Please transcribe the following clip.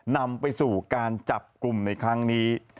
นำไปสู่การจับกลุ่มในครั้งนี้